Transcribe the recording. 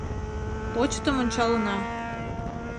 — Почтым ончалына.